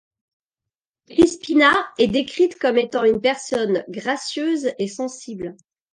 Crispina est décrite comme étant une personne gracieuse et sensible.